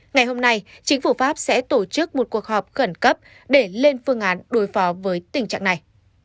ngày hôm nay chính phủ pháp sẽ tổ chức một cuộc họp khẩn cấp để lên phương án đối phó với tình trạng này